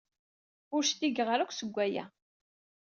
Ur d-cligeɣ ara akk seg waya.